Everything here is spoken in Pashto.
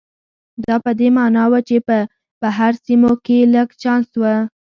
دا په دې معنا و چې په بهر سیمو کې لږ چانس و.